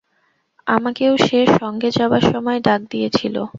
আমাকেও সে সঙ্গে যাবার সময় ডাক দিয়েছিল।